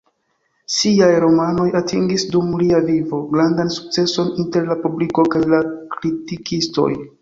Siaj romanoj atingis, dum lia vivo, grandan sukceson inter la publiko kaj la kritikistoj.